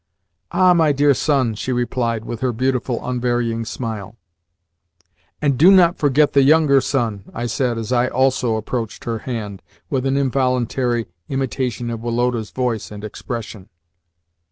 "Ah, my dear son!" she replied with her beautiful, unvarying smile. "And do not forget the younger son," I said as I also approached her hand, with an involuntary imitation of Woloda's voice and expression.